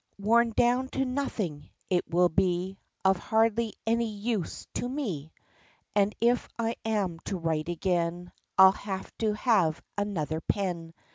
Worn down to nothing it will be Of hardly any use to me And if I am to write again I 'll have to have another pen.